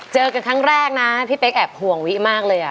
เจอกันครั้งแรกนะพี่เป๊กแอบห่วงวิมากเลย